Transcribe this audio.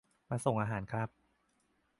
มาส่งอาหารครับ